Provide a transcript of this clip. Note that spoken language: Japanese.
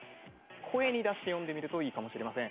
声に出して読んでみるといいかもしれません。